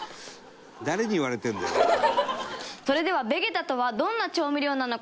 それではベゲタとはどんな調味料なのか？